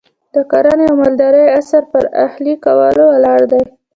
د کرنې او مالدارۍ عصر پر اهلي کولو ولاړ دی.